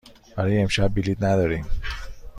برای امشب بلیط نداریم.